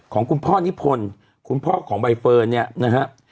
ของคุณพ่อนิพนธ์คุณพ่อของใบเฟิร์นเนี่ยนะฮะ